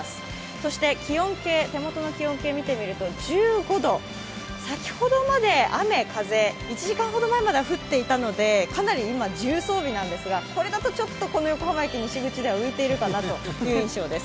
そして手元の気温計見てみると、１５度、先ほどまで雨・風１時間ほど前までは降っていたのでかなり今、重装備なんですが、これだとちょっとこの横浜駅西口では浮いているかなという印象です。